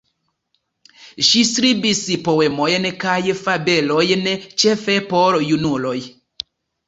Ŝi skribis poemojn kaj fabelojn ĉefe por junuloj.